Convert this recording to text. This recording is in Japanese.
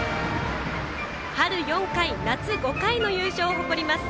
春４回夏５回の優勝を誇ります。